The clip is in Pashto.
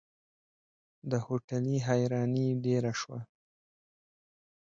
د هوټلي حيراني ډېره شوه.